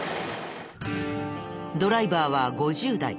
ドライバーは５０代。